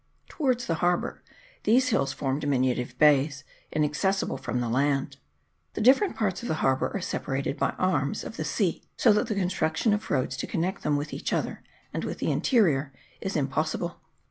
Towards the harbour these hills form diminutive bays, inaccessible from the land. The different parts of the harbour are separated by arms of the sea, so that the construction of roads to connect them with each other, and with the interior, is impossible.